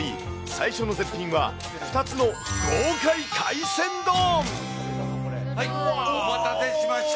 最初の絶品は、２つの豪快海鮮丼。